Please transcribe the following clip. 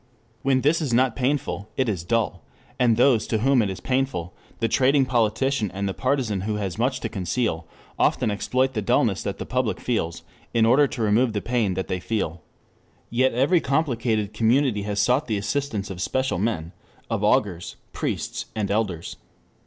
When this is not painful, it is dull, and those to whom it is painful, the trading politician and the partisan who has much to conceal, often exploit the dullness that the public feels, in order to remove the pain that they feel. 2 Yet every complicated community has sought the assistance of special men, of augurs, priests, elders.